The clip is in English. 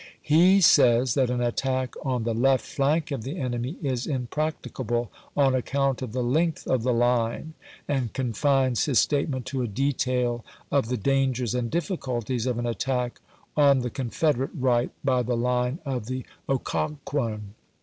He says that an attack on the left flank of the enemy is impracticable on account of the length of the line, and confines his statement to a detail of the dangers and difficulties of an attack on the Confederate right by the line of the Occoquan.